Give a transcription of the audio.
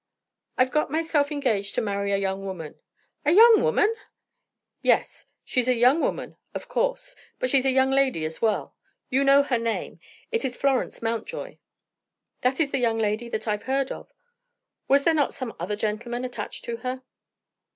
"I've got myself engaged to marry a young woman." "A young woman!" "Yes; she's a young woman, of course; but she's a young lady as well. You know her name: it is Florence Mountjoy." "That is the young lady that I've heard of. Was there not some other gentleman attached to her?"